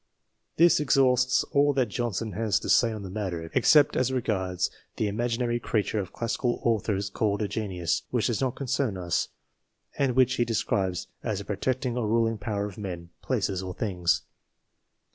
This exhausts all that Johnson has to say on the matter, except as regards the imaginary creature of classical authors called a Genius, which does not concern us, and which he describes as the protecting or ruling power of men, places, or things.